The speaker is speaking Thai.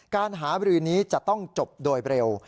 การหาบรือนี้จะต้องจบโดยเร็ว